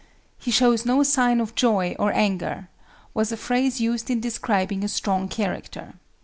"He shows no sign of joy or anger," was a phrase used in describing a strong character.